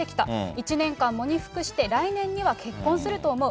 １年間喪に服して来年には結婚すると思う。